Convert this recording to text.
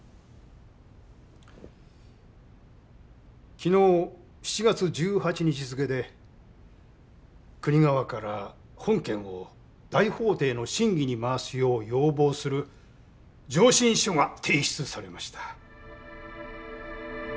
昨日７月１８日付で国側から本件を大法廷の審議に回すよう要望する「上申書」が提出されました。